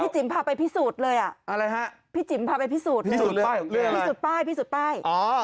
พี่จิ๋มพาไปพิสูจน์เลยอะอะไรฮะพี่จิ๋มพาไปพิสูจน์เรื่องอะไรพิสูจน์ป้ายพิสูจน์ป้าย